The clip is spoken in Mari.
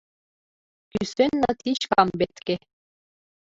Кӱсенна тич камбетке!